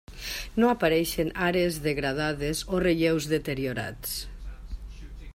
No apareixen àrees degradades o relleus deteriorats.